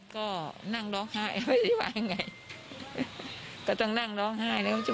ก็นั่งร้องไห้ไม่ได้ว่าอย่างไรก็ต้องนั่งร้องไห้